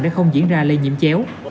để không diễn ra lây nhiễm chéo